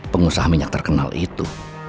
pengusaha minyak terkenal itu